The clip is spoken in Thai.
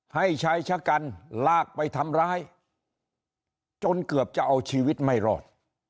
ให้ชายชะกันลากไปทำร้ายจนเกือบจะเอาชีวิตไม่รอด